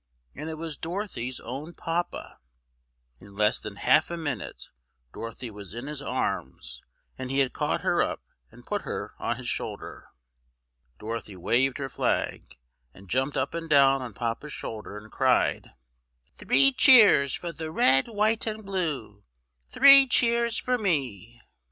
And it was Dorothy's own Papa! In less than half a minute Dorothy was in his arms, and he had caught her up, and put her on his shoulder. Dorothy waved her flag, and jumped up and down on Papa's shoulder, and cried, "Three cheers for the red, white and blue! three cheers for me!"